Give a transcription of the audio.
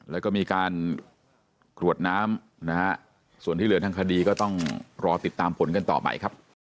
แล้วก็มีการกรวดน้ำนะฮะส่วนที่เหลือทางคดีก็ต้องรอติดตามผลกันต่อไปครับ